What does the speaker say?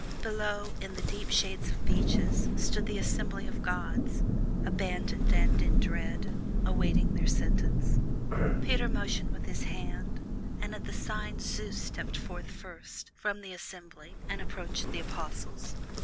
Below, in the deep shade of beeches, stood the assembly of gods, abandoned and in dread, awaiting their sentence. Peter motioned with his hand, and at the sign Zeus stepped forth first from the assembly and approached the Apostles.